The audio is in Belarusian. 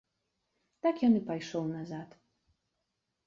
Так ён і пайшоў назад.